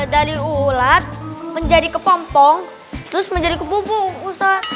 dari ulat menjadi kepompong terus menjadi kebubung bostad